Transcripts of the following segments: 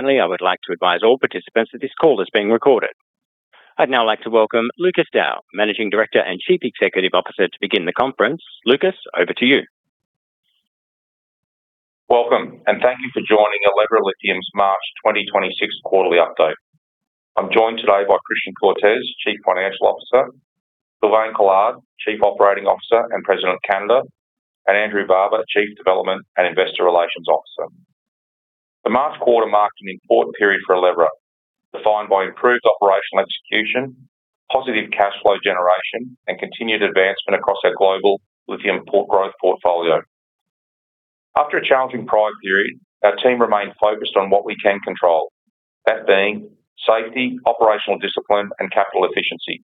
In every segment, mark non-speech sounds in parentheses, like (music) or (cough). Finally, I would like to advise all participants that this call is being recorded. I'd now like to welcome Lucas Dow, Managing Director and Chief Executive Officer, to begin the conference. Lucas, over to you. Welcome, and thank you for joining Elevra Lithium's March 2026 quarterly update. I'm joined today by Christian Cortes, Chief Financial Officer, Sylvain Collard, Chief Operating Officer and President of Canada, and Andrew Barber, Chief Development and Investor Relations Officer. The March quarter marked an important period for Elevra, defined by improved operational execution, positive cash flow generation, and continued advancement across our global lithium growth portfolio. After a challenging prior period, our team remained focused on what we can control, that being safety, operational discipline, and capital efficiency.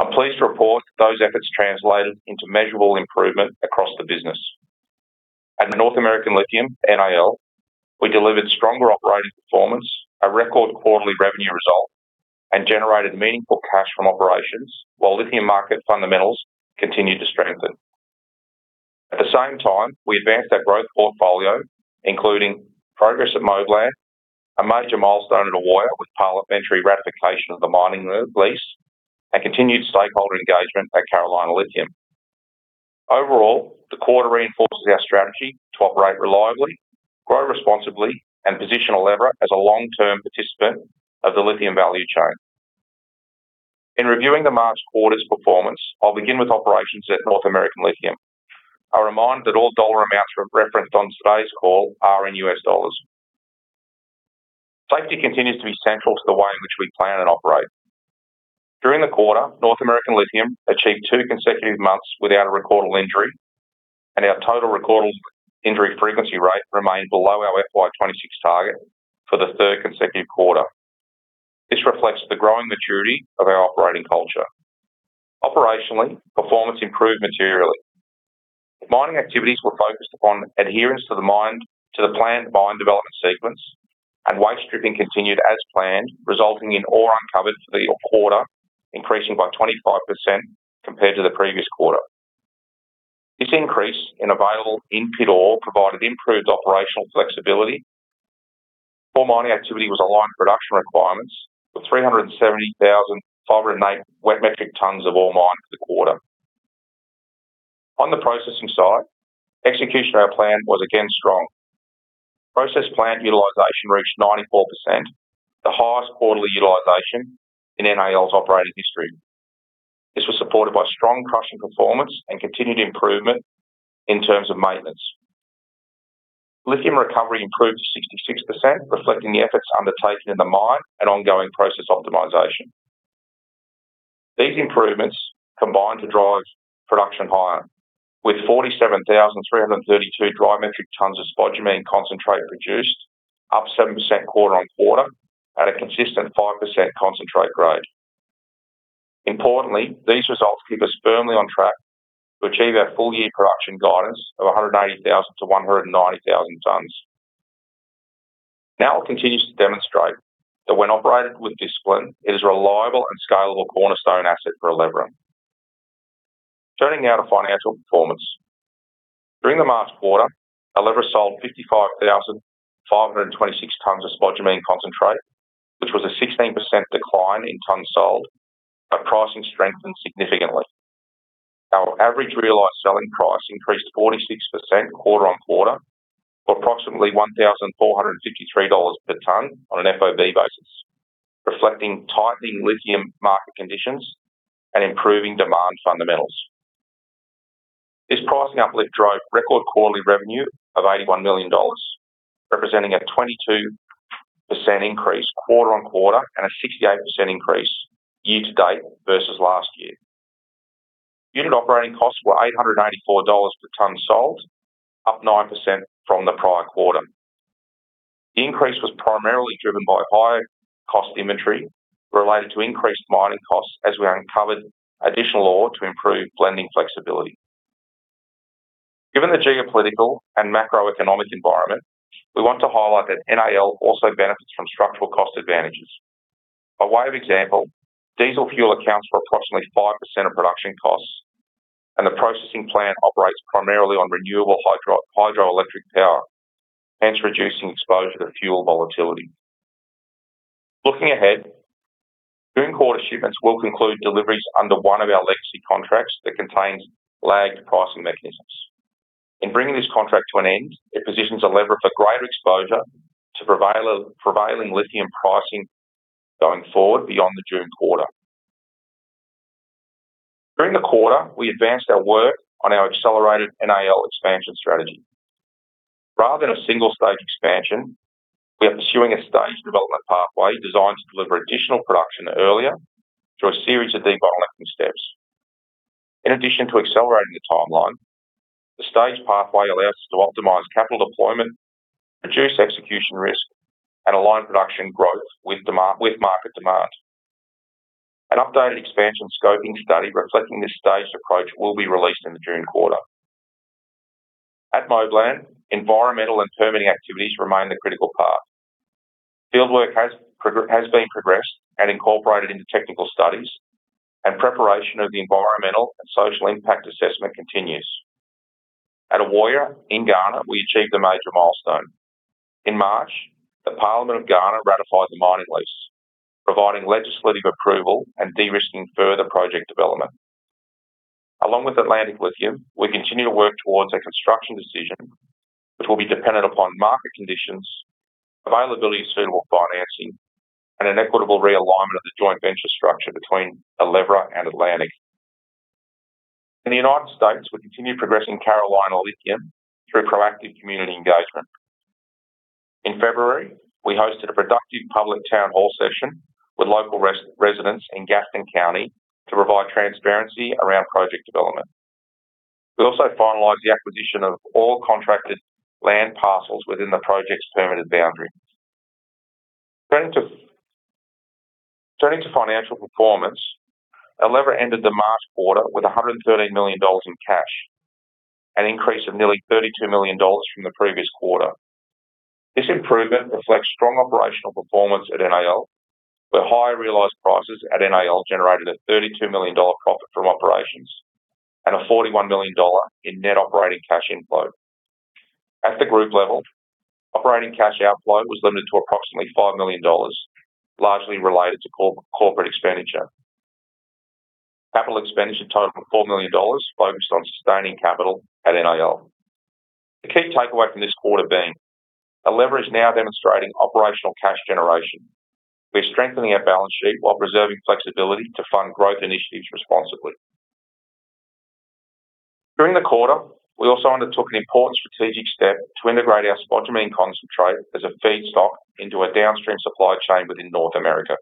I'm pleased to report those efforts translated into measurable improvement across the business. At North American Lithium, NAL, we delivered stronger operating performance, a record quarterly revenue result, and generated meaningful cash from operations while lithium market fundamentals continued to strengthen. At the same time, we advanced our growth portfolio, including progress at Moblan, a major milestone at Ewoyaa with parliamentary ratification of the mining lease, and continued stakeholder engagement at Carolina Lithium. Overall, the quarter reinforces our strategy to operate reliably, grow responsibly, and position Elevra as a long-term participant of the lithium value chain. In reviewing the March quarter's performance, I'll begin with operations at North American Lithium. A reminder that all dollar amounts referenced on today's call are in U.S. dollars. Safety continues to be central to the way in which we plan and operate. During the quarter, North American Lithium achieved two consecutive months without a recordable injury, and our total recordable injury frequency rate remained below our FY 2026 target for the third consecutive quarter. This reflects the growing maturity of our operating culture. Operationally, performance improved materially. Mining activities were focused upon adherence to the planned mine development sequence, and waste stripping continued as planned, resulting in ore uncovered for the quarter, increasing by 25% compared to the previous quarter. This increase in available in-pit ore provided improved operational flexibility. Core mining activity was aligned with production requirements, with 370,508 wet metric tons of ore mined for the quarter. On the processing side, execution of our plan was again strong. Process plant utilization reached 94%, the highest quarterly utilization in NAL's operating history. This was supported by strong crushing performance and continued improvement in terms of maintenance. Lithium recovery improved to 66%, reflecting the efforts undertaken in the mine and ongoing process optimization. These improvements combined to drive production higher, with 47,332 dry metric tons of spodumene concentrate produced, up 7% quarter-over-quarter at a consistent 5% concentrate grade. Importantly, these results keep us firmly on track to achieve our full year production guidance of 180,000-190,000 tons. NAL continues to demonstrate that when operated with discipline, it is a reliable and scalable cornerstone asset for Elevra. Turning now to financial performance. During the March quarter, Elevra sold 55,526 tons of spodumene concentrate, which was a 16% decline in tons sold, but pricing strengthened significantly. Our average realized selling price increased 46% quarter-over-quarter to approximately $1,453 per ton on an FOB basis, reflecting tightening lithium market conditions and improving demand fundamentals. This pricing uplift drove record quarterly revenue of $81 million, representing a 22% increase quarter-over-quarter and a 68% increase year to date versus last year. Unit operating costs were $884 per ton sold, up 9% from the prior quarter. The increase was primarily driven by higher cost inventory related to increased mining costs as we uncovered additional ore to improve blending flexibility. Given the geopolitical and macroeconomic environment, we want to highlight that NAL also benefits from structural cost advantages. By way of example, diesel fuel accounts for approximately 5% of production costs and the processing plant operates primarily on renewable hydroelectric power, hence reducing exposure to fuel volatility. Looking ahead, June quarter shipments will conclude deliveries under one of our legacy contracts that contains lagged pricing mechanisms. In bringing this contract to an end, it positions Elevra for greater exposure to prevailing lithium pricing going forward beyond the June quarter. During the quarter, we advanced our work on our accelerated NAL expansion strategy. Rather than a single stage expansion, we are pursuing a staged development pathway designed to deliver additional production earlier through a series of de-bottlenecking steps. In addition to accelerating the timeline, the staged pathway allows us to optimize capital deployment, reduce execution risk, and align production growth with market demand. An updated expansion scoping study reflecting this staged approach will be released in the June quarter. At Moblan, environmental and permitting activities remain the critical path. Fieldwork has been progressed and incorporated into technical studies, and preparation of the environmental and social impact assessment continues. At Ewoyaa in Ghana, we achieved a major milestone. In March, the Parliament of Ghana ratified the mining lease, providing legislative approval and de-risking further project development. Along with Atlantic Lithium, we continue to work towards a construction decision, which will be dependent upon market conditions, availability of suitable financing, and an equitable realignment of the joint venture structure between Elevra and Atlantic. In the United States, we continue progressing Carolina Lithium through proactive community engagement. In February, we hosted a productive public town hall session with local residents in Gaston County to provide transparency around project development. We also finalized the acquisition of all contracted land parcels within the project's permitted boundary. Turning to financial performance, Elevra ended the March quarter with $113 million in cash, an increase of nearly $32 million from the previous quarter. This improvement reflects strong operational performance at NAL, where higher realized prices at NAL generated a $32 million profit from operations and $41 million in net operating cash inflow. At the group level, operating cash outflow was limited to approximately $5 million, largely related to corporate expenditure. Capital expenditure totaled $4 million, focused on sustaining capital at NAL. The key takeaway from this quarter being Elevra is now demonstrating operational cash generation. We are strengthening our balance sheet while preserving flexibility to fund growth initiatives responsibly. During the quarter, we also undertook an important strategic step to integrate our spodumene concentrate as a feedstock into a downstream supply chain within North America.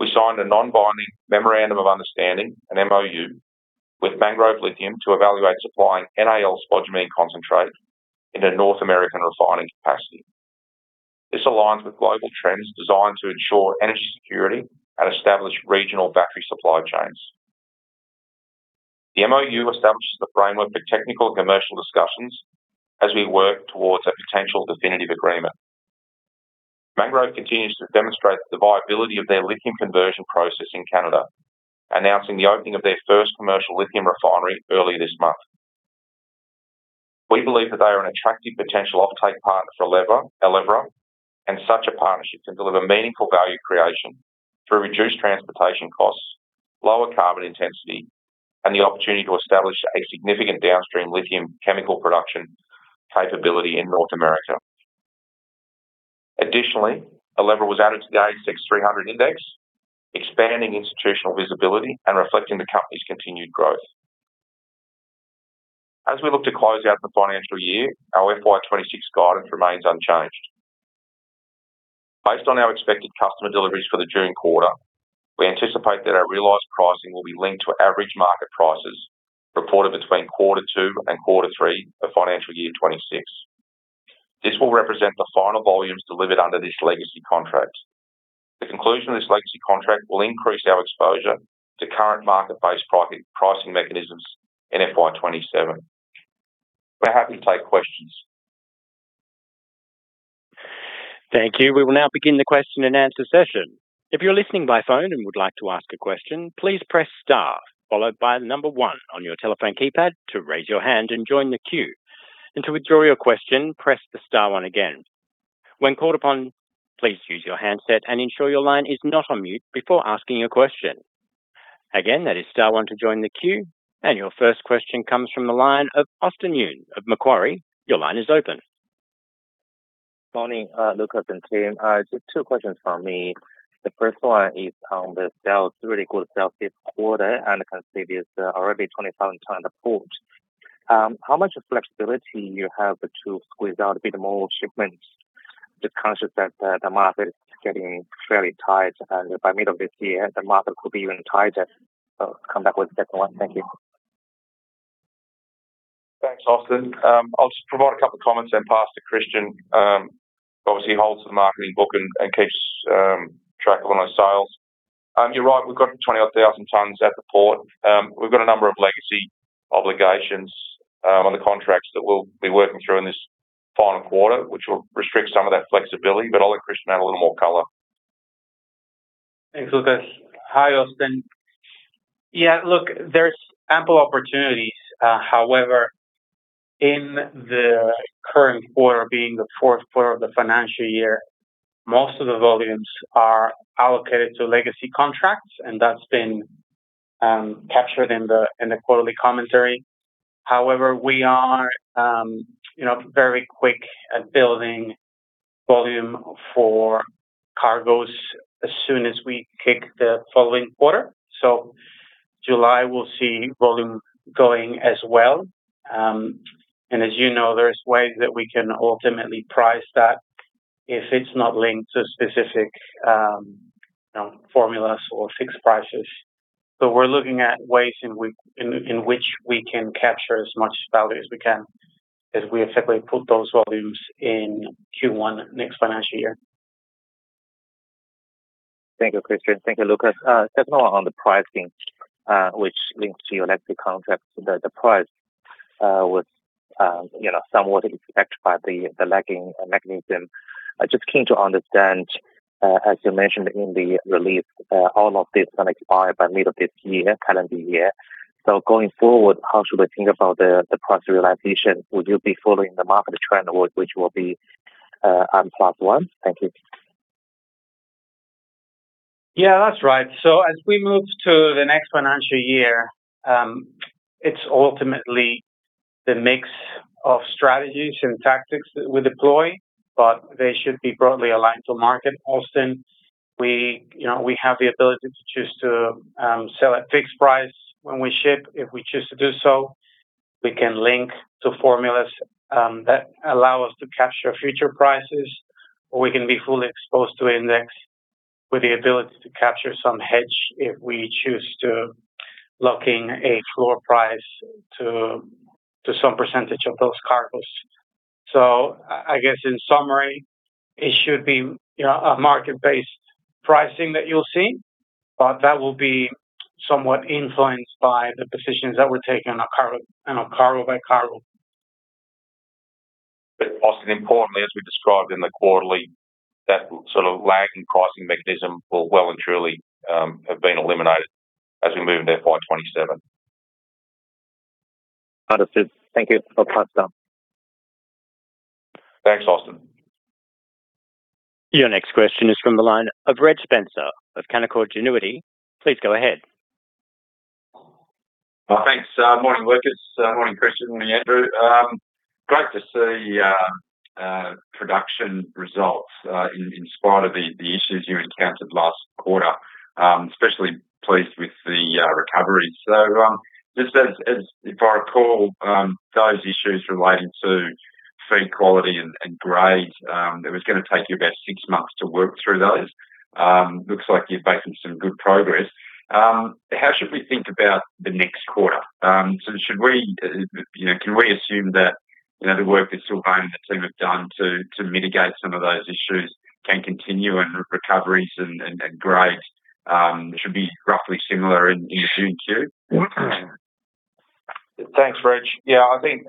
We signed a non-binding memorandum of understanding, an MoU, with Mangrove Lithium to evaluate supplying NAL spodumene concentrate in a North American refining capacity. This aligns with global trends designed to ensure energy security and establish regional battery supply chains. The MoU establishes the framework for technical and commercial discussions as we work towards a potential definitive agreement. Mangrove continues to demonstrate the viability of their lithium conversion process in Canada, announcing the opening of their first commercial lithium refinery earlier this month. We believe that they are an attractive potential offtake partner for Elevra, and such a partnership can deliver meaningful value creation through reduced transportation costs, lower carbon intensity, and the opportunity to establish a significant downstream lithium chemical production capability in North America. Additionally, Elevra was added to the ASX 300 index, expanding institutional visibility and reflecting the company's continued growth. As we look to close out the financial year, our FY 2026 guidance remains unchanged. Based on our expected customer deliveries for the June quarter, we anticipate that our realized pricing will be linked to average market prices reported between quarter two and quarter three of financial year 2026. This will represent the final volumes delivered under this legacy contract. The conclusion of this legacy contract will increase our exposure to current market-based pricing mechanisms in FY 2027. We're happy to take questions. Thank you. We will now begin the question-and-answer session. If you're listening by phone and would like to ask a question, please press star followed by the number one on your telephone keypad to raise your hand and join the queue. To withdraw your question, press the star one again. When called upon, please use your handset and ensure your line is not on mute before asking a question. Again, that is star one to join the queue. Your first question comes from the line of Austin Yun of Macquarie. Your line is open. Morning, Lucas and team. Just two questions from me. The first one is on the sales. Really good sales this quarter, and I can see there's already 20,000 tons at port. How much flexibility you have to squeeze out a bit more shipments? Just conscious that the market is getting fairly tight, and by middle of this year, the market could be even tighter. Come back with the second one. Thank you. Thanks, Austin. I'll just provide a couple comments and pass to Christian, who obviously holds the marketing book and keeps track of all those sales. You're right, we've got 20,000 tons at the port. We've got a number of legacy obligations on the contracts that we'll be working through in this final quarter, which will restrict some of that flexibility, but I'll let Christian add a little more color. Thanks, Lucas. Hi, Austin. Yeah, look, there's ample opportunities. However, in the current quarter being the fourth quarter of the financial year, most of the volumes are allocated to legacy contracts, and that's been captured in the quarterly commentary. However, we are very quick at building volume for cargoes as soon as we kick the following quarter. July, we'll see volume going as well. As you know, there's ways that we can ultimately price that if it's not linked to specific formulas or fixed prices. We're looking at ways in which we can capture as much value as we can as we effectively put those volumes in Q1 next financial year. Thank you, Christian. Thank you, Lucas. Just one on the pricing, which links to your legacy contracts. The price was somewhat impacted by the lagging mechanism. I just came to understand, as you mentioned in the release, all of this going to expire by middle of this year, calendar year. So going forward, how should I think about the price realization? Would you be following the market trend, which will be on plus one? Thank you. Yeah, that's right. As we move to the next financial year, it's ultimately the mix of strategies and tactics that we deploy, but they should be broadly aligned to market. Austin, we have the ability to choose to sell at fixed price when we ship. If we choose to do so, we can link to formulas that allow us to capture future prices, or we can be fully exposed to index with the ability to capture some hedge if we choose to lock in a floor price to some percentage of those cargoes. I guess in summary, it should be a market-based pricing that you'll see, but that will be somewhat influenced by the positions that we're taking on a cargo by cargo. Austin, importantly, as we described in the quarterly, that sort of lag in pricing mechanism will well and truly have been eliminated as we move into FY 2027. Understood. Thank you. I'll pass down. Thanks, Austin. Your next question is from the line of Reg Spencer of Canaccord Genuity. Please go ahead. Thanks. Morning, Lucas. Morning, Christian. Morning, Andrew. Great to see production results in spite of the issues you encountered last quarter. Especially pleased with the recovery. Just as if I recall, those issues relating to feed quality and grade, it was going to take you about six months to work through those. Looks like you're making some good progress. How should we think about the next quarter? Can we assume that the work that Sylvain and the team have done to mitigate some of those issues can continue and recoveries and grades should be roughly similar in the future? Thanks, Reg. Yeah, I think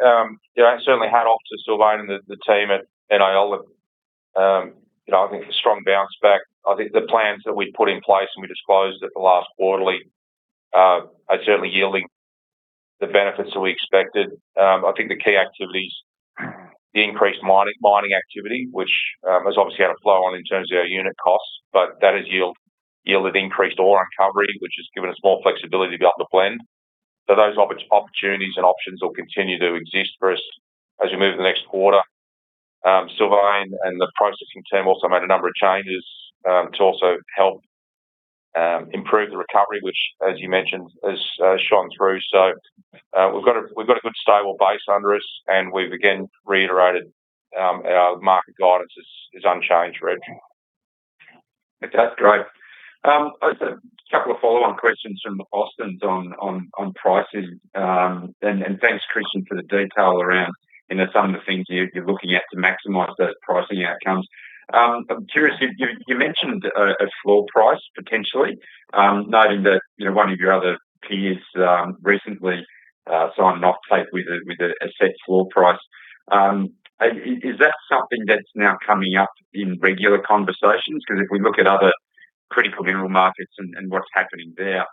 certainly hats off to Sylvain and the team at NAL. I think a strong bounce back. I think the plans that we put in place, and we disclosed at the last quarterly, are certainly yielding the benefits that we expected. I think the key activities, the increased mining activity, which has obviously had a flow on in terms of our unit costs, but that has yielded increased ore recovery, which has given us more flexibility to be able to blend. Those opportunities and options will continue to exist for us as we move to the next quarter. Sylvain and the processing team also made a number of changes to also help improve the recovery, which as you mentioned, has shone through. We've got a good stable base under us, and we've again reiterated our market guidance is unchanged, Reg. That's great. Just a couple of follow-on questions from Austin's on pricing. Thanks, Christian, for the detail around some of the things you're looking at to maximize those pricing outcomes. I'm curious, you mentioned a floor price potentially, noting that one of your other peers recently signed an offtake with a set floor price. Is that something that's now coming up in regular conversations? Because if we look at other critical mineral markets and what's happening there,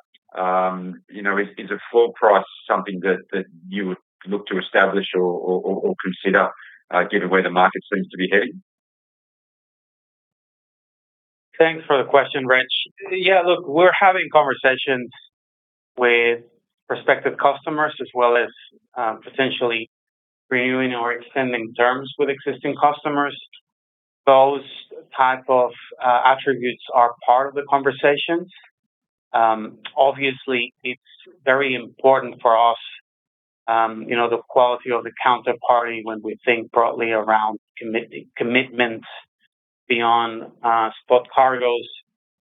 is a floor price something that you would look to establish or consider given where the market seems to be heading? Thanks for the question, Reg. Yeah, look, we're having conversations with prospective customers as well as potentially renewing or extending terms with existing customers. Those type of attributes are part of the conversations. Obviously, it's very important for us, the quality of the counterparty when we think broadly around commitments beyond spot cargoes.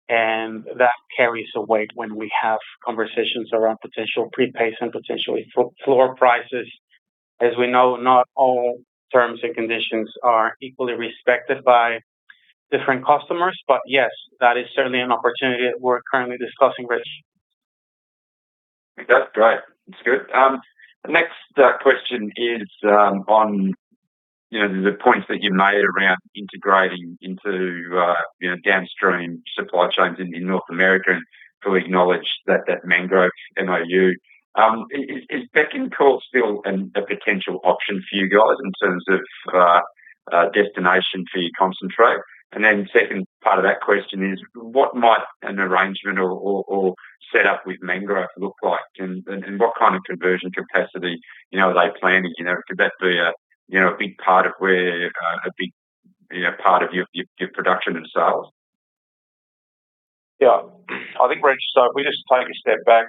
That carries a weight when we have conversations around potential prepays and potentially floor prices. As we know, not all terms and conditions are equally respected by different customers. Yes, that is certainly an opportunity that we're currently discussing, Reg. That's great. That's good. The next question is on the points that you made around integrating into downstream supply chains in North America and fully acknowledge that Mangrove MoU. Is Bécancour still a potential option for you guys in terms of destination for your concentrate? And then second part of that question is what might an arrangement or set up with Mangrove look like and what kind of conversion capacity are they planning? Could that be a big part of your production and sales? Yeah. I think, Reg, so if we just take a step back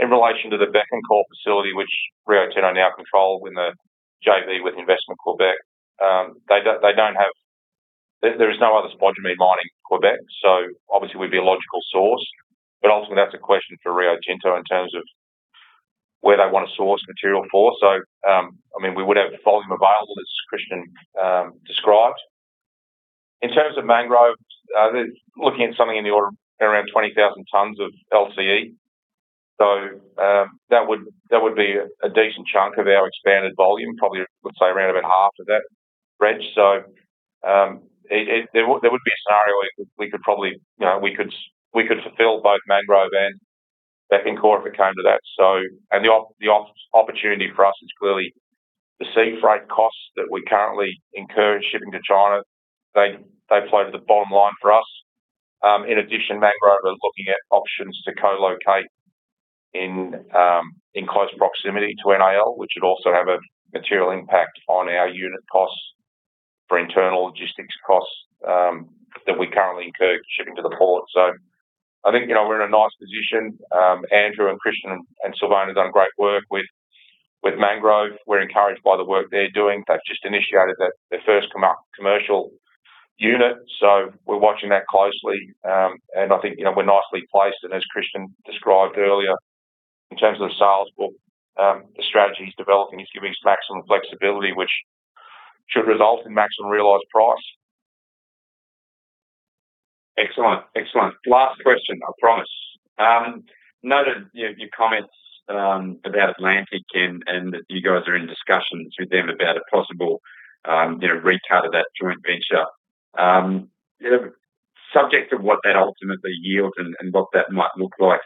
in relation to the Bécancour facility, which Rio Tinto now control in the JV with Investissement Québec, there is no other spodumene mine in Québec, so obviously we'd be a logical source. Ultimately, that's a question for Rio Tinto in terms of where they want to source material for. We would have volume available, as Christian described. In terms of Mangrove, they're looking at something in the order of around 20,000 tons of LCE. So, that would be a decent chunk of our expanded volume. Probably, I would say around about half of that, Reg. There would be a scenario where we could fulfill both Mangrove and Bécancour if it came to that. The opportunity for us is clearly the sea freight costs that we currently incur shipping to China. They flow to the bottom line for us. In addition, Mangrove are looking at options to co-locate in close proximity to NAL, which would also have a material impact on our unit costs for internal logistics costs that we currently incur shipping to the port. I think, we're in a nice position. Andrew and Christian and Sylvain have done great work with Mangrove. We're encouraged by the work they're doing. They've just initiated their first commercial unit. We're watching that closely. I think, we're nicely placed, and as Christian described earlier, in terms of the sales book, the strategy he's developing is giving us maximum flexibility, which should result in maximum realized price. Excellent. Last question, I promise. Noted your comments about Atlantic and that you guys are in discussions with them about a possible restart of that joint venture. Subject to what that ultimately yields and what that might look like,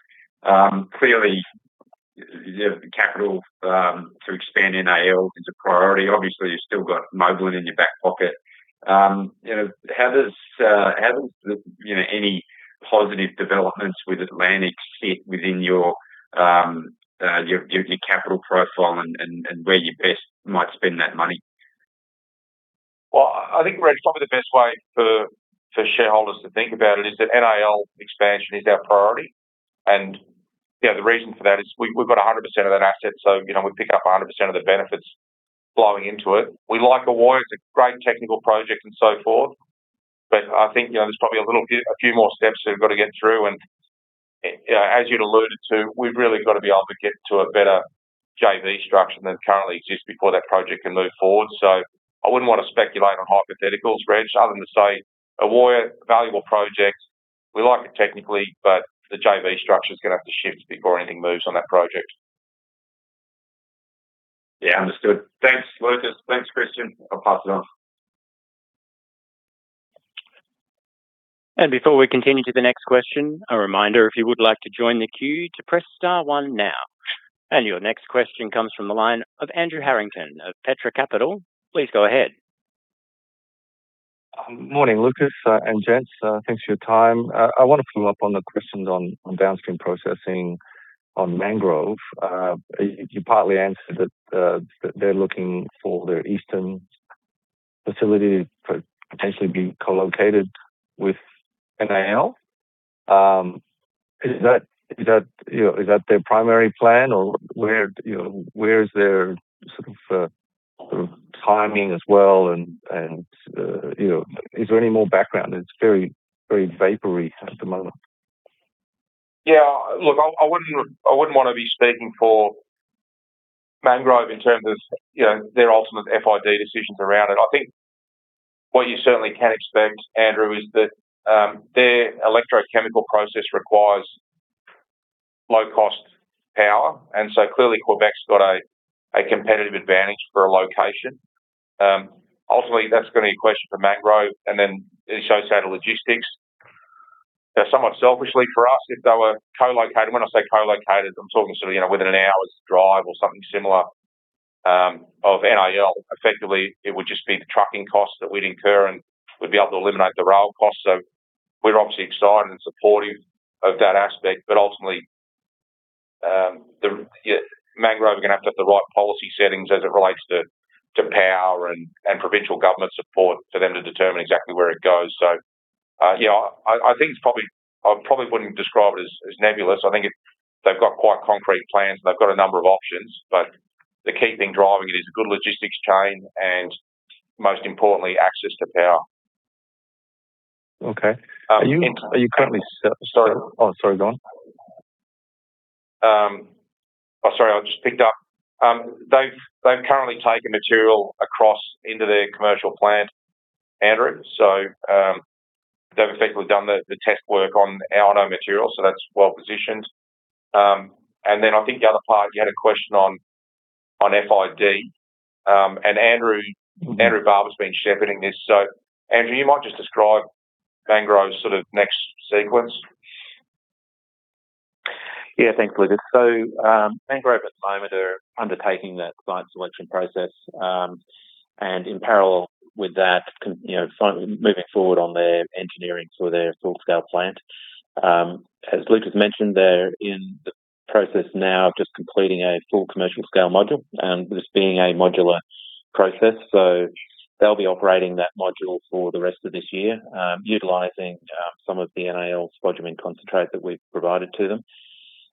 clearly, capital to expand NAL is a priority. Obviously, you've still got Moblan in your back pocket. How does any positive developments with Atlantic sit within your capital profile and where you best might spend that money? Well, I think, Reg, probably the best way for shareholders to think about it is that NAL expansion is our priority. The reason for that is we've got 100% of that asset, so, we pick up 100% of the benefits flowing into it. We like Ewoyaa, it's a great technical project and so forth. I think, there's probably a few more steps that we've got to get through. As you'd alluded to, we've really got to be able to get to a better JV structure than currently exists before that project can move forward. I wouldn't want to speculate on hypotheticals, Reg, other than to say, Ewoyaa, valuable project. We like it technically, but the JV structure is going to have to shift before anything moves on that project. Yeah. Understood. Thanks, Lucas. Thanks, Christian. I'll pass it on. Before we continue to the next question, a reminder, if you would like to join the queue, to press star one now. Your next question comes from the line of Andrew Harrington of Petra Capital. Please go ahead. Morning, Lucas and gents. Thanks for your time. I want to follow up on the questions on downstream processing on Mangrove. You partly answered that they're looking for their eastern facility to potentially be co-located with NAL. Is that their primary plan, or where is their sort of timing as well, and is there any more background? It's very vaporous at the moment. Yeah, look, I wouldn't want to be speaking for Mangrove in terms of their ultimate FID decisions around it. I think what you certainly can expect, Andrew, is that their electrochemical process requires low-cost power, and so clearly Québec's got a competitive advantage for a location. Ultimately, that's going to be a question for Mangrove, and then as you say, the logistics. Now, somewhat selfishly for us, if they were co-located, when I say co-located, I'm talking sort of within an hour's drive or something similar, of NAL, effectively it would just be the trucking costs that we'd incur, and we'd be able to eliminate the rail costs. We're obviously excited and supportive of that aspect. Ultimately, Mangrove are going to have to have the right policy settings as it relates to power and provincial government support for them to determine exactly where it goes. Yeah I probably wouldn't describe it as nebulous. I think they've got quite concrete plans, and they've got a number of options. The key thing driving it is good logistics chain and, most importantly, access to power. Okay. Oh, sorry, go on. Oh, sorry, I just picked up. They've currently taken material across into their commercial plant, Andrew. They've effectively done the test work on our NAL material, so that's well-positioned. I think the other part, you had a question on FID. Andrew Barber's been shepherding this. Andrew, you might just describe Mangrove's sort of next sequence. Yeah, thanks, Lucas. Mangrove at the moment are undertaking that site selection process. In parallel with that, finally moving forward on their engineering for their full-scale plant. As Lucas mentioned, they're in the process now of just completing a full commercial scale module. This being a modular process, so they'll be operating that module for the rest of this year, utilizing some of the NAL spodumene concentrate that we've provided to them.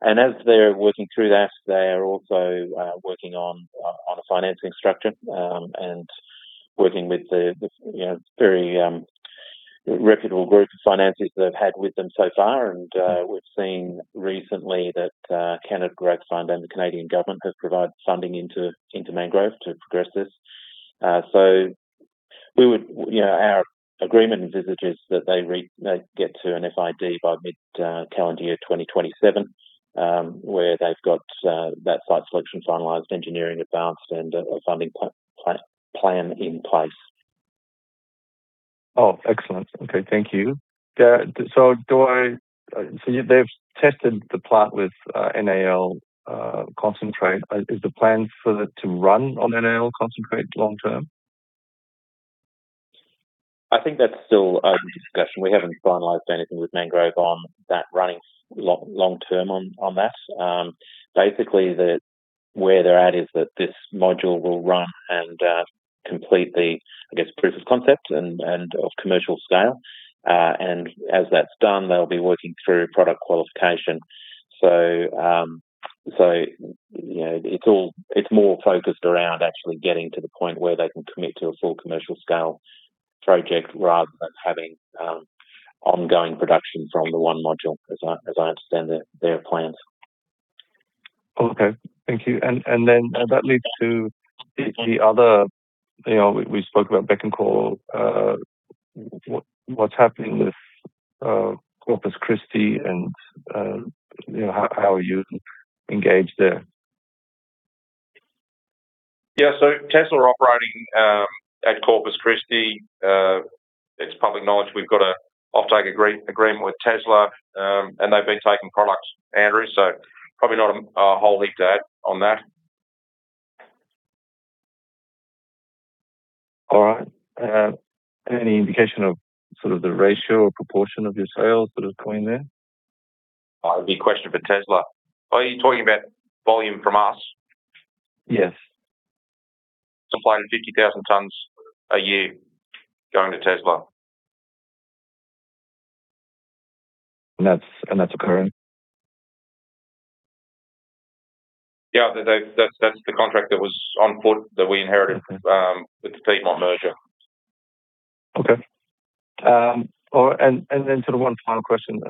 As they're working through that, they are also working on a financing structure, and working with the very reputable group of financiers they've had with them so far. We've seen recently that Canada Growth Fund and the Canadian government have provided funding into Mangrove to progress this. Our agreement envisages that they get to an FID by mid-calendar year 2027, where they've got that site selection finalized, engineering advanced, and a funding plan in place. Oh, excellent. Okay. Thank you. They've tested the plant with NAL concentrate. Is the plan for that to run on NAL concentrate long-term? I think that's still under discussion. We haven't finalized anything with Mangrove on that, running long-term on that. Basically, where they're at is that this module will run and complete the, I guess, proof of concept and of commercial scale. As that's done, they'll be working through product qualification. It's more focused around actually getting to the point where they can commit to a full commercial scale project rather than having ongoing production from the one module, as I understand their plans. Okay, thank you. That leads to the other, we spoke about Bécancour. What's happening with Corpus Christi and how are you engaged there? Yeah. Tesla are operating at Corpus Christi. It's public knowledge. We've got an offtake agreement with Tesla, and they've been taking products, Andrew. Probably not a whole heap to add on that. All right. Any indication of sort of the ratio or proportion of your sales that is going there? That would be a question for Tesla. Are you talking about volume from us? Yes. Supply of 50,000 tons a year going to Tesla. That's occurring? Yeah. That's the contract that was afoot that we inherited with the Piedmont merger. Okay. Sort of one final question.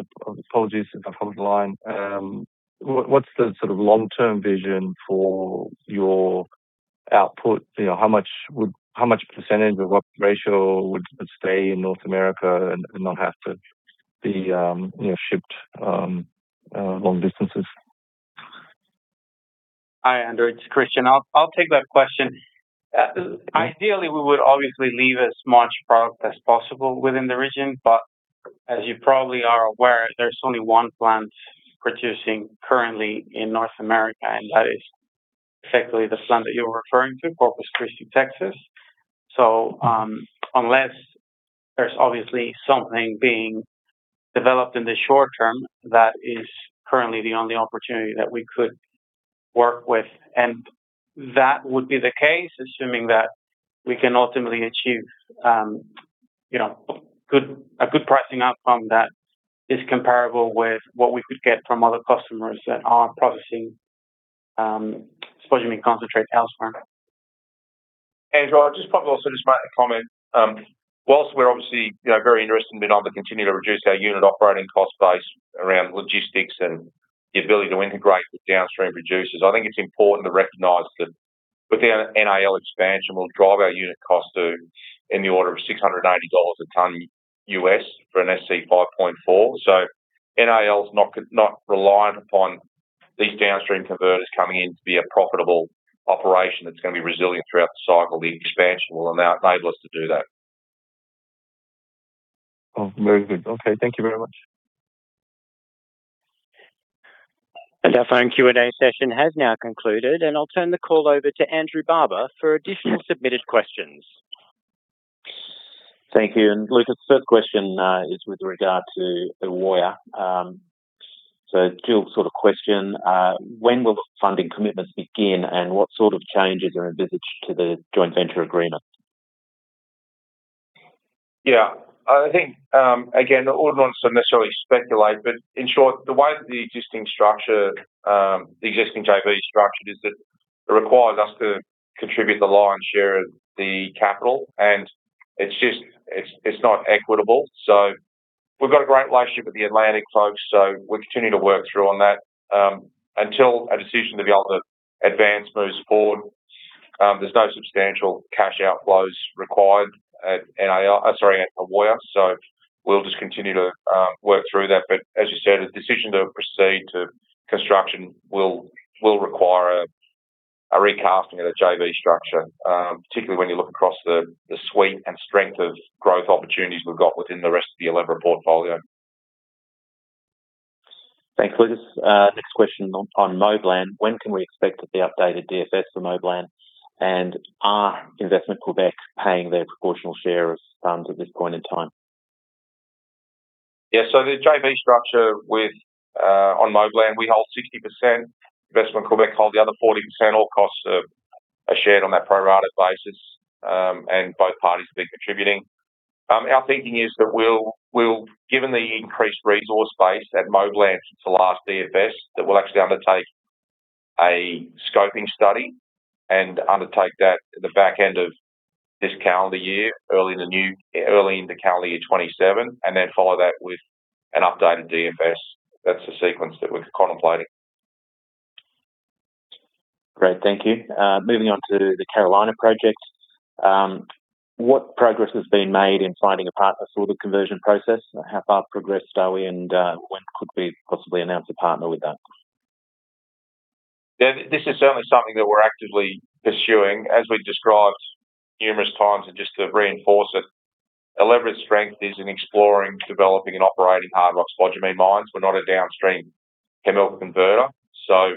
Apologies if I've hopped the line. What's the sort of long-term vision for your output? How much percentage or what ratio would stay in North America and not have to be shipped long distances? Hi, Andrew. It's Christian. I'll take that question. Ideally, we would obviously leave as much product as possible within the region, but as you probably are aware, there's only one plant producing currently in North America, and that is effectively the plant that you're referring to, Corpus Christi, Texas. Unless there's obviously something being developed in the short term, that is currently the only opportunity that we could work with. That would be the case, assuming that we can ultimately achieve a good pricing outcome that is comparable with what we could get from other customers that are processing spodumene concentrate elsewhere. Andrew, I'd just probably also just make a comment. While we're obviously very interested in being able to continue to reduce our unit operating cost base around logistics and the ability to integrate with downstream producers, I think it's important to recognize that with our NAL expansion, we'll drive our unit cost to in the order of $680 a ton U.S. for an SC5.4. NAL is not reliant upon these downstream converters coming in to be a profitable operation that's going to be resilient throughout the cycle. The expansion will enable us to do that. Oh, very good. Okay. Thank you very much. Our phone Q&A session has now concluded, and I'll turn the call over to Andrew Barber for additional submitted questions. Thank you. Lucas, the first question is with regard to Ewoyaa. Still sort of question, when will funding commitments begin, and what sort of changes are envisaged to the joint venture agreement? Yeah. I think, again, I wouldn't want to necessarily speculate, but in short, the way that the existing JV is structured is that it requires us to contribute the lion's share of the capital, and it's not equitable. We've got a great relationship with the Atlantic folks, so we're continuing to work through on that. Until a decision to be able to advance moves forward, there's no substantial cash outflows required at Ewoyaa, so we'll just continue to work through that. As you said, a decision to proceed to construction will require a recasting of the JV structure, particularly when you look across the suite and strength of growth opportunities we've got within the rest of the Elevra portfolio. Thanks, Lucas. Next question on Moblan. When can we expect the updated DFS for Moblan, and are Investissement Québec paying their proportional share of sums at this point in time? Yeah. The JV structure on Moblan, we hold 60%, Investissement Québec hold the other 40%. All costs are shared on that pro rata basis, and both parties have been contributing. Our thinking is that given the increased resource base at Moblan since the last DFS, that we'll actually undertake a scoping study and undertake that at the back end of this calendar year, early into calendar year 2027, and then follow that with an updated DFS. That's the sequence that we're contemplating. Great. Thank you. Moving on to the Carolina project. What progress has been made in finding a partner for the conversion process? How far progressed are we, and when could we possibly announce a partner with that? This is certainly something that we're actively pursuing, as we described numerous times and just to reinforce it. Our leverage strength is in exploring, developing, and operating hard rock spodumene mines. We're not a downstream chemical converter, so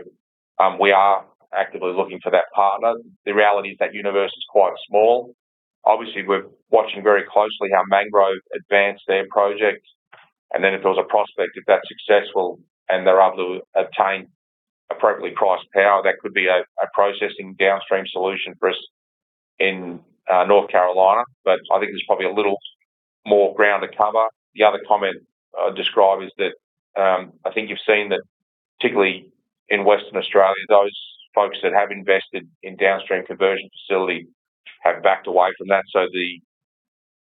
we are actively looking for that partner. The reality is that universe is quite small. Obviously, we're watching very closely how Mangrove advance their project, and then if there was a prospect, if that's successful and they're able to obtain appropriately priced power, that could be a processing downstream solution for us in North Carolina. But I think there's probably a little more ground to cover. The other comment I'd describe is that, I think you've seen that particularly in Western Australia, those folks that have invested in downstream conversion facility have backed away from that. The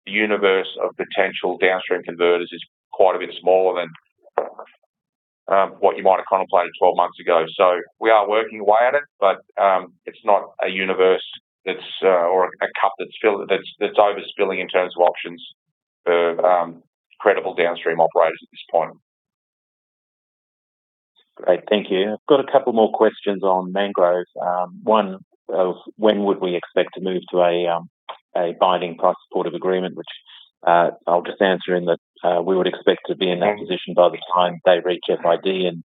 universe of potential downstream converters is quite a bit smaller than what you might have contemplated 12 months ago. We are working away at it, but it's not a universe or a cup that's overflowing in terms of options for credible downstream operators at this point. Great. Thank you. I've got a couple more questions on Mangrove. One, when would we expect to move to a binding price supportive agreement, which I'll just answer in that we would expect to be in that position by the time they reach FID in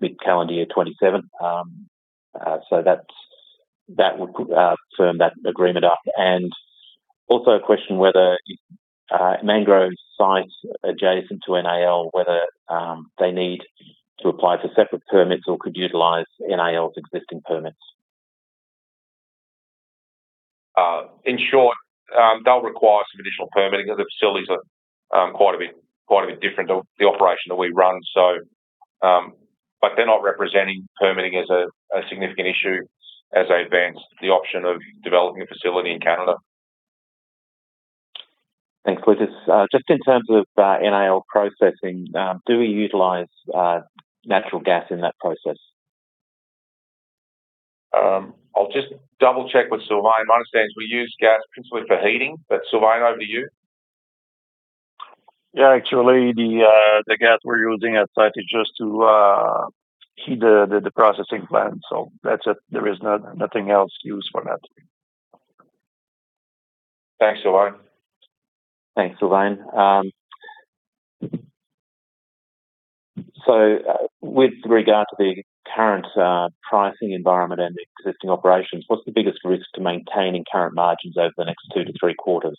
mid-calendar year 2027. That would firm that agreement up. A question whether Mangrove sites adjacent to NAL, whether they need to apply for separate permits or could utilize NAL's existing permits. In short, they'll require some additional permitting because the facilities are quite a bit different to the operation that we run. They're not representing permitting as a significant issue as they advance the option of developing a facility in Canada. Thanks, Lucas. Just in terms of NAL processing, do we utilize natural gas in that process? I'll just double-check with Sylvain. My understanding is we use gas principally for heating. Sylvain, over to you. Yeah. Actually, the gas we're using at site is just to heat the processing plant. That's it. There is nothing else used for that. Thanks, Sylvain. Thanks, Sylvain. With regard to the current pricing environment and existing operations, what's the biggest risk to maintaining current margins over the next two to three quarters?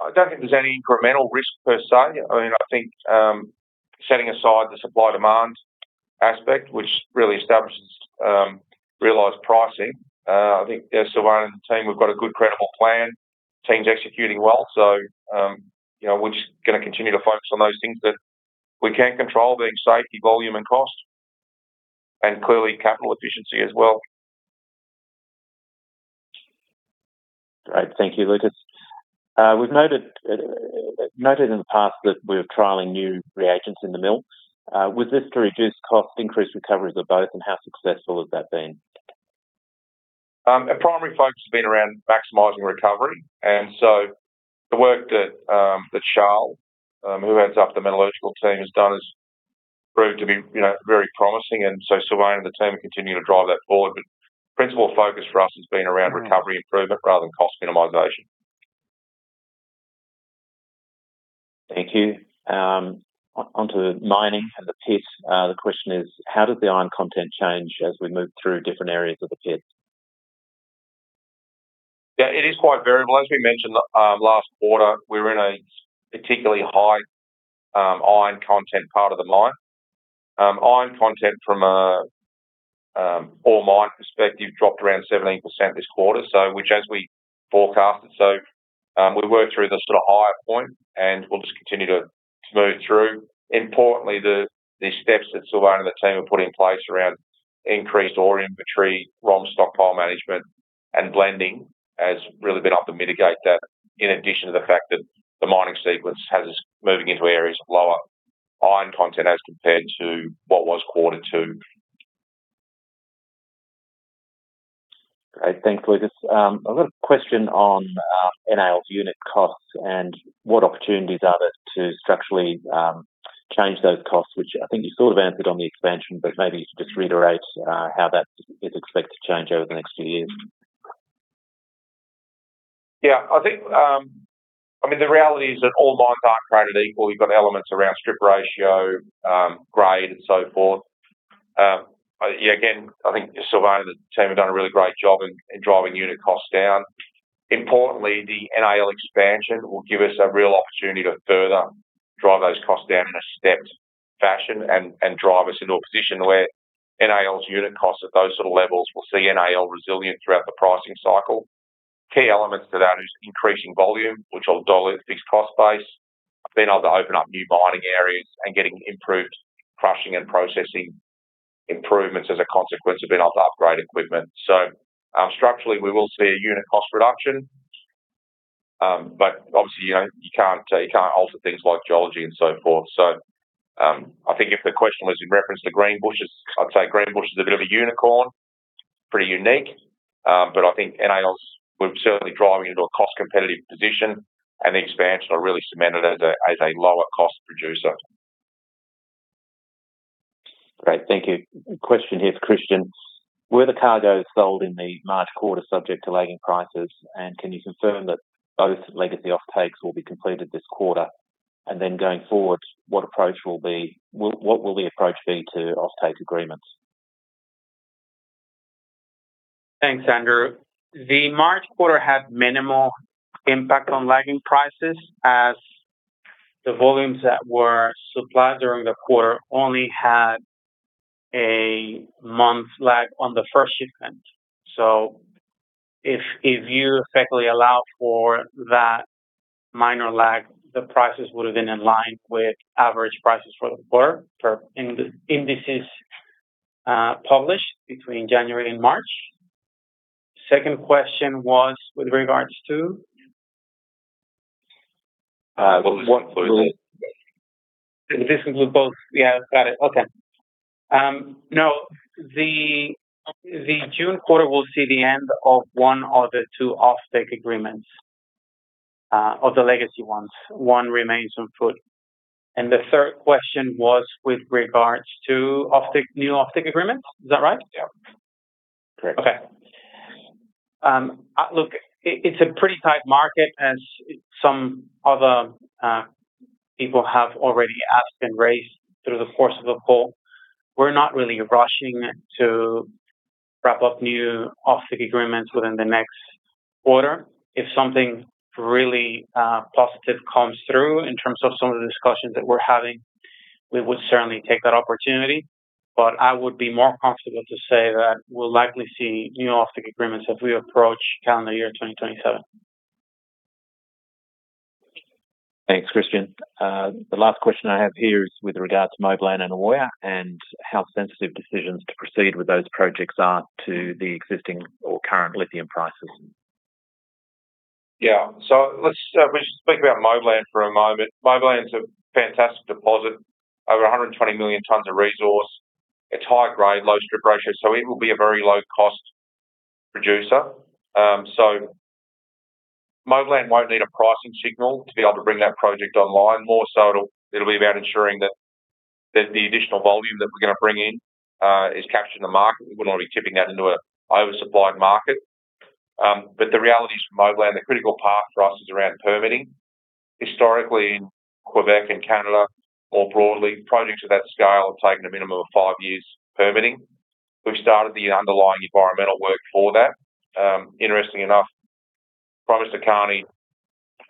I don't think there's any incremental risk per se. I think setting aside the supply-demand aspect, which really establishes realized pricing. I think as Sylvain and the team, we've got a good credible plan. Team's executing well. We're just going to continue to focus on those things that we can control, being safety, volume, and cost. Clearly, capital efficiency as well. Great. Thank you, Lucas. We've noted in the past that we're trialing new reagents in the mill. Was this to reduce cost, increase recoveries of both, and how successful has that been? Our primary focus has been around maximizing recovery, and so the work that Charles, who heads up the metallurgical team, has done has proved to be very promising. Sylvain and the team are continuing to drive that forward. Principal focus for us has been around recovery improvement rather than cost minimization. Thank you. On to mining and the pit. The question is, how does the iron content change as we move through different areas of the pit? Yeah, it is quite variable. As we mentioned last quarter, we're in a particularly high iron content part of the mine. Iron content from an ore mine perspective dropped around 17% this quarter, which as we forecasted. We worked through the sort of higher point, and we'll just continue to move through. Importantly, the steps that Sylvain and the team have put in place around increased ore inventory, ROM stockpile management, and blending has really been able to mitigate that, in addition to the fact that the mining sequence has us moving into areas of lower iron content as compared to what was quarter two. Great. Thanks, Lucas. I've got a question on NAL's unit costs and what opportunities are there to structurally change those costs, which I think you sort of answered on the expansion, but maybe just reiterate how that is expected to change over the next few years. Yeah. The reality is that all mines aren't created equal. You've got elements around strip ratio, grade, and so forth. Again, I think Sylvain and the team have done a really great job in driving unit costs down. Importantly, the NAL expansion will give us a real opportunity to further drive those costs down in a stepped fashion and drive us into a position where NAL's unit costs at those sort of levels will see NAL resilient throughout the pricing cycle. Key elements to that is increasing volume, which will dilute the cost base, being able to open up new mining areas and getting improved crushing and processing improvements as a consequence of being able to upgrade equipment. Structurally, we will see a unit cost reduction. Obviously, you can't alter things like geology and so forth. I think if the question was in reference to Greenbushes, I'd say Greenbushes is a bit of a unicorn, pretty unique. I think NAL, we're certainly driving into a cost competitive position and the expansion are really cemented as a lower cost producer. Great. Thank you. Question here for Christian. Were the cargoes sold in the March quarter subject to lagging prices, and can you confirm that both legacy offtakes will be completed this quarter? Going forward, what will the approach be to offtake agreements? Thanks, Andrew. The March quarter had minimal impact on lagging prices, as the volumes that were supplied during the quarter only had a month lag on the first shipment. If you effectively allow for that minor lag, the prices would've been in line with average prices for the quarter for indices published between January and March. Second question was with regards to? (crosstalk) This is with both. Yeah. Got it. Okay. No, the June quarter will see the end of one of the two offtake agreements, of the legacy ones. One remains in force. The third question was with regards to new offtake agreements. Is that right? Yeah. Correct. Okay. Look, it's a pretty tight market, as some other people have already asked and raised through the course of the call. We're not really rushing to wrap up new offtake agreements within the next quarter. If something really positive comes through in terms of some of the discussions that we're having, we would certainly take that opportunity. I would be more comfortable to say that we'll likely see new offtake agreements as we approach calendar year 2027. Thanks, Christian. The last question I have here is with regards to Moblan and Ewoyaa, and how sensitive decisions to proceed with those projects are to the existing or current lithium prices. Yeah. Let me just speak about Moblan for a moment. Moblan's a fantastic deposit, over 120 million tons of resource. It's high grade, low strip ratio, so it will be a very low cost producer. Moblan won't need a pricing signal to be able to bring that project online. More so it'll be about ensuring that the additional volume that we're going to bring in is capturing the market. We wouldn't want to be tipping that into an oversupplied market. The reality is for Moblan, the critical path for us is around permitting. Historically, in Québec and Canada, more broadly, projects of that scale have taken a minimum of five years permitting. We've started the underlying environmental work for that. Interestingly enough, Prime Minister Carney,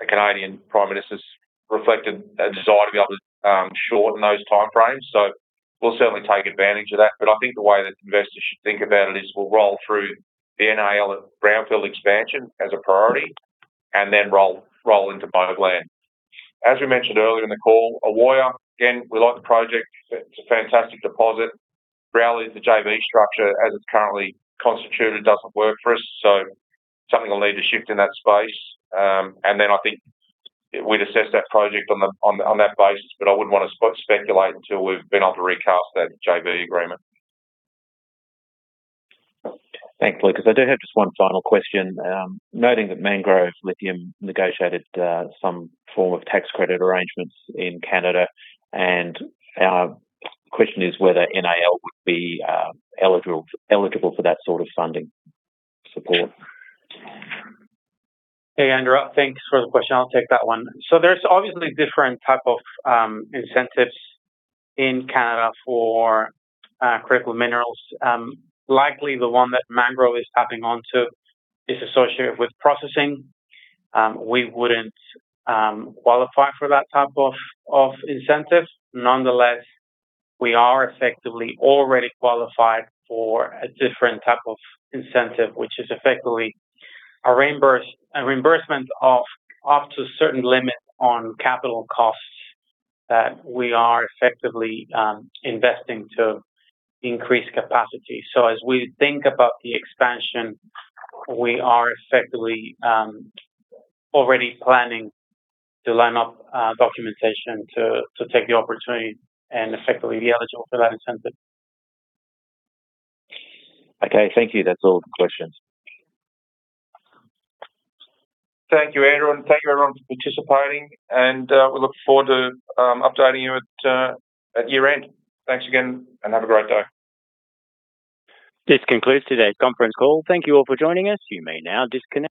the Canadian Prime Minister, has reflected a desire to be able to shorten those time frames. We'll certainly take advantage of that. I think the way that investors should think about it is, we'll roll through the NAL brownfield expansion as a priority, and then roll into Moblan. As we mentioned earlier in the call, Ewoyaa, again, we like the project. It's a fantastic deposit. Really, the JV structure as it's currently constituted doesn't work for us, so something will need to shift in that space. Then I think we'd assess that project on that basis. I wouldn't want to speculate until we've been able to recast that JV agreement. Thanks, Lucas. Because I do have just one final question. Noting that Mangrove Lithium negotiated some form of tax credit arrangements in Canada and our question is whether NAL would be eligible for that sort of funding support? Hey, Andrew. Thanks for the question. I'll take that one. There's obviously different type of incentives in Canada for critical minerals. Likely, the one that Mangrove is tapping onto is associated with processing. We wouldn't qualify for that type of incentives. Nonetheless, we are effectively already qualified for a different type of incentive, which is effectively a reimbursement of up to a certain limit on capital costs that we are effectively investing to increase capacity. As we think about the expansion, we are effectively already planning to line up documentation to take the opportunity and effectively be eligible for that incentive. Okay. Thank you. That's all the questions. Thank you, Andrew, and thank you everyone for participating, and we look forward to updating you at year-end. Thanks again, and have a great day. This concludes today's conference call. Thank you all for joining us. You may now disconnect.